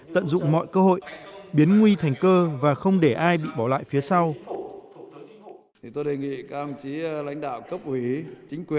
tận dụng mọi cơ hội biến nguy thành cơ và không để ai bị bỏ lại phía sau